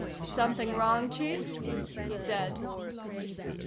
"Something wrong, Chief?" he said.